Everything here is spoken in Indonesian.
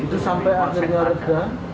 itu sampai akhirnya reda